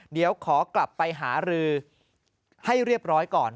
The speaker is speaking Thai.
เดี๋ยวขอกลับไปหารือให้เรียบร้อยก่อน